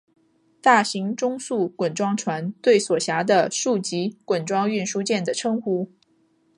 大型中速滚装船对所辖的数级滚装运输舰的称呼。